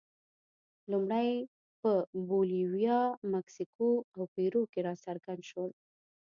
لومړی په بولیویا، مکسیکو او پیرو کې راڅرګند شول.